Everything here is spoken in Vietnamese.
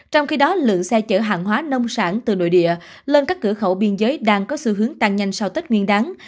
trong khi đó lượng xe chở hàng hóa nông sản từ nội địa lên các cửa khẩu biên giới đang có xu hướng tăng nhanh sau tết nguyên đáng